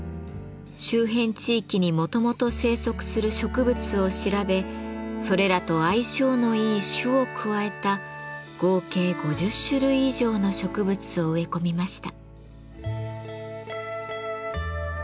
周辺地域にもともと生息する植物を調べそれらと相性のいい種を加えた合計５０種類以上の植物を植え込みました。